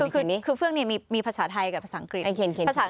คือเฟื่องนี่มีภาษาไทยกับภาษาอังกฤษภาษา